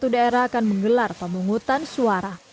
satu ratus satu daerah akan menggelar pemungutan suara